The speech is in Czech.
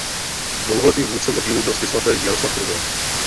Dlouholetým vůdcem oddílu byl spisovatel Jaroslav Foglar.